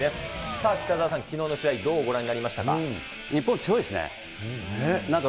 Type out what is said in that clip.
さあ、北澤さん、きのうの試合どうご覧になりましたか？